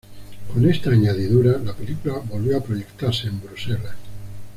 Con esta añadidura, la película volvió a proyectarse en Bruselas.